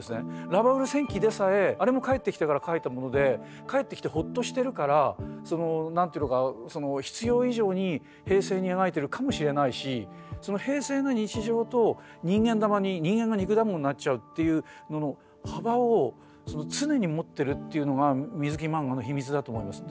「ラバウル戦記」でさえあれも帰ってきてからかいたもので帰ってきてほっとしてるからその何て言うのか必要以上に平静に描いてるかもしれないしその平静な日常と人間玉に人間が肉だんごになっちゃうっていうのの幅を常に持ってるっていうのが水木漫画の秘密だと思います。